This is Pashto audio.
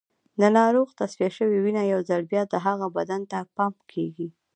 د ناروغ تصفیه شوې وینه یو ځل بیا د هغه بدن ته پمپ کېږي.